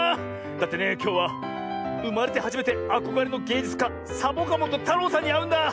だってねきょうはうまれてはじめてあこがれのげいじゅつかサボカもとたろうさんにあうんだ。